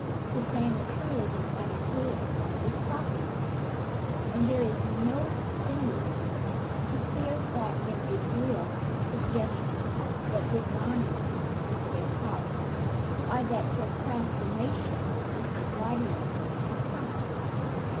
To stand a truism on its head is profitless; and there is no stimulus to clear thought in the glib suggestion that "Dishonesty is the best policy" or that "procrastination is the guardian of time."